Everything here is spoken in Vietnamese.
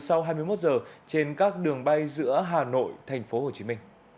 các chuyến bay đêm được tăng cường hai chuyến bay từ sau hai mươi một giờ trên các đường bay giữa hà nội tp hcm